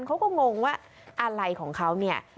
เขาก็งงว่าอะไรของเขาเนี่ย